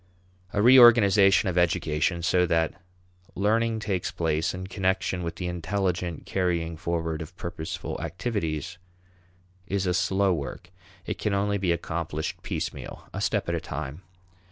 A reorganization of education so that learning takes place in connection with the intelligent carrying forward of purposeful activities is a slow work. It can only be accomplished piecemeal, a step at a time.